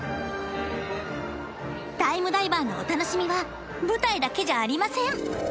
タイムダイバーのお楽しみは舞台だけじゃありません